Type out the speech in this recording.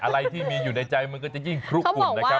อะไรที่มีอยู่ในใจมันก็จะยิ่งคลุกอุ่นนะครับ